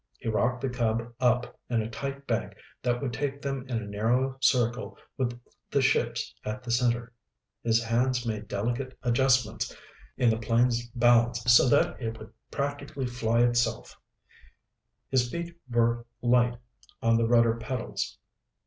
He rocked the Cub up in a tight bank that would take them in a narrow circle with the ships at the center. His hands made delicate adjustments in the plane's balance so that it would practically fly itself. His feet were light on the rudder pedals.